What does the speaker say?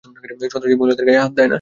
সন্ত্রাসীরা মহিলাদের গায়ে হাত দেয় না।